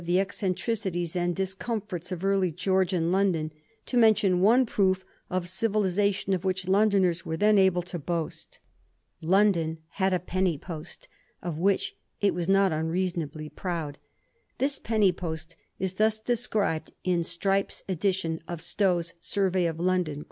103 the eccentricities and discomforts of early Greorgian London, to mention one proof of civilisation of which Londoners were then able to boast. London had a peony post, of which it was not unreasonably proud. This penny post is thus described in Strype's edi tion of Stow's * Survey of London.'